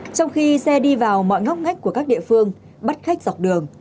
trong khi xe đi vào mọi ngóc ngách của các địa phương bắt khách dọc đường